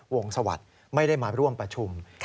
สวัสดิ์ไม่ได้มาร่วมประชุม